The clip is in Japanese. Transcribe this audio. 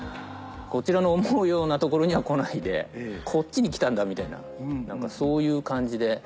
こちらの思うような所には来ないでこっちに来たんだみたいな何かそういう感じで。